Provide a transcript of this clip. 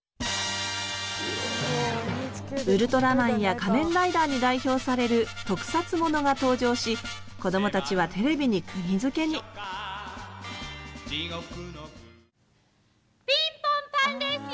「ウルトラマン」や「仮面ライダー」に代表される特撮物が登場しこどもたちはテレビにくぎづけに「ピンポンパン」ですよ！